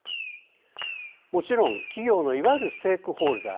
もちろん、企業のいわゆるステークホルダー